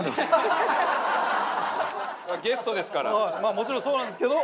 もちろんそうなんですけど。